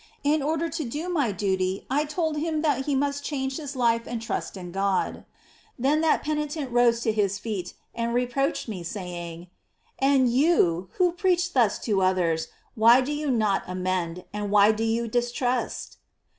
In order to do my duty, I told him that he must change his life, and trust in God; then that penitent rose to his feet and reproached me, saying: 'And you, who preach thus to others, why do you not amend, and why do you distrust